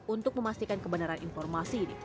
untuk memastikan kebenaran informasi ini